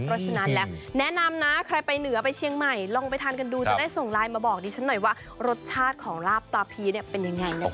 เพราะฉะนั้นแล้วแนะนำนะใครไปเหนือไปเชียงใหม่ลองไปทานกันดูจะได้ส่งไลน์มาบอกดิฉันหน่อยว่ารสชาติของลาบปลาพีเนี่ยเป็นยังไงนะคะ